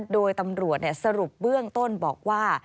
โดยตำรวจสรุปเบื้องต้นบอกว่า